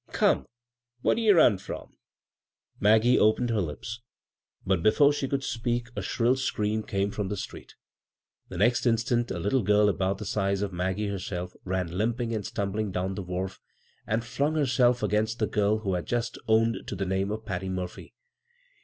" Come, whar*d ye run from?" Maggie opened her lips, but before she oould ^>eak a shrill scream came from the street The next instant a little giii about the size of Maggie herself ran limping and atombling down the wharf and flimg herself to6 b, Google CROSS CURRENTS against the girl who had just owned to the name of Patty Murphy.